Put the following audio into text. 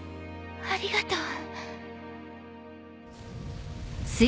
ありがとう。